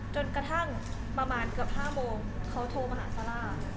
จนกระทั่งประมาณเกือบ๕โมงเขาโทรมาหาซาร่า